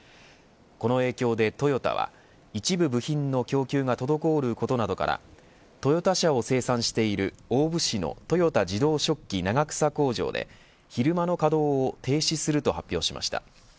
この影響でトヨタは一部部品の供給が滞ることなどからトヨタ車を生産している大府市の豊田自動織機、長草工場で昼間の稼働を停止すると発表しました。